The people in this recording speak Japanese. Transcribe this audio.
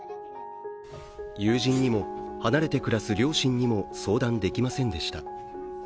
友人にも離れて暮らす両親にも相談できませんでした。